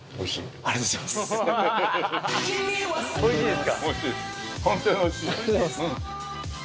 ありがとうございます。